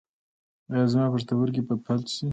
ایا زما پښتورګي به فلج شي؟